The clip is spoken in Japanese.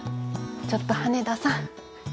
ちょっと羽田さん